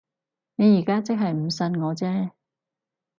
你而家即係唔信我啫